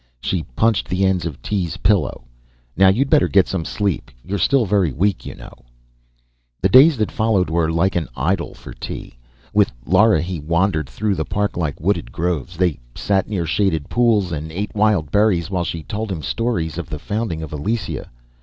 She punched the ends of Tee's pillow. "Now you'd better get some sleep. You're still very weak, you know." The days that followed were like an idyll for Tee. With Lara he wandered through the parklike wooded groves. They sat near shaded pools and ate wild berries while she told him stories of the founding of Elysia.